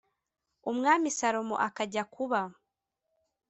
Umwami salomo akajya kuba